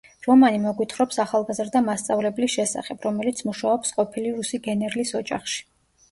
რომანი მოგვითხრობს ახალგაზრდა მასწავლებლის შესახებ, რომელიც მუშაობს ყოფილი რუსი გენერლის ოჯახში.